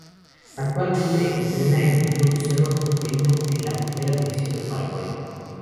Actualmente entrena al Club Cerro Porteño en la primera división de Paraguay.